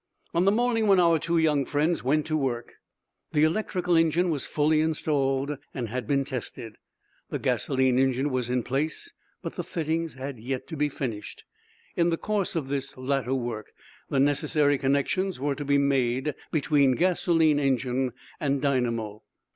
On the morning when our two young friends went to work the electrical engine was fully installed, and had been tested. The gasoline engine was in place, but the fittings had yet to be finished. In the course of this latter work the necessary connections were to be made between gasoline engine and dynamo.